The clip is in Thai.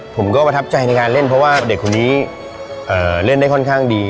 ผมก็ประทับใจในการเล่นเพราะว่าเด็กคนนี้เล่นได้ค่อนข้างดี